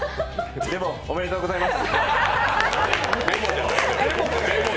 でも、おめでとうございます！